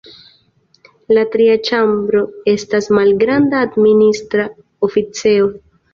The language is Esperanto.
La tria ĉambro estas malgranda administra oficejo.